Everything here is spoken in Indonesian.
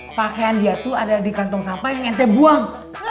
pakaian dia tuh ada di kantong sampah yang ent buang